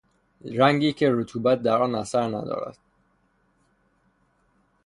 رنگی که رطوبت در آن اثر ندارد